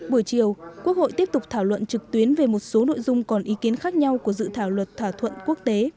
buổi chiều quốc hội tiếp tục thảo luận trực tuyến về một số nội dung còn ý kiến khác nhau của dự thảo luật thỏa thuận quốc tế